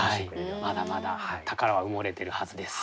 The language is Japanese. まだまだ宝は埋もれてるはずです。